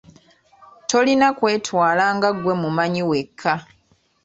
Tolina kwetwala nga ggwe mumanyi wekka.